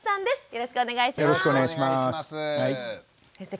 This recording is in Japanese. よろしくお願いします。